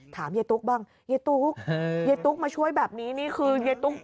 ถามยายตุ๊กบ้างยายตุ๊กยายตุ๊กมาช่วยแบบนี้นี่คือยายตุ๊ก